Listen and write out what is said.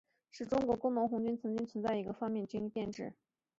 是中国工农红军曾经存在的一个方面军级编制。